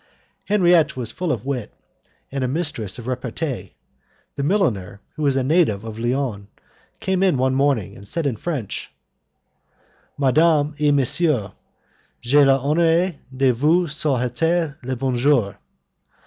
Henriette was full of wit and a mistress of repartee. The milliner, who was a native of Lyons, came in one morning, and said in French: "Madame et Monsieur, j'ai l'honneur de vous souhaiter le bonjour."